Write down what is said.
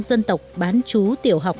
dân tộc bán chú tiểu học